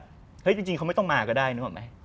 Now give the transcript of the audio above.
เฮ้ยจริงเขาไม่ต้องมาก็ได้นึกออกไหม